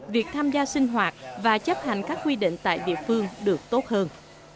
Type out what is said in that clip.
việc tham gia sinh hoạt và chấp hành các quy định tại địa phương được tốt hơn